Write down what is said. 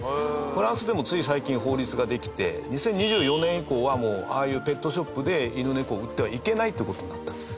フランスでもつい最近、法律ができて２０２４年以降は、もうああいうペットショップで犬猫を売ってはいけないって事になったんです。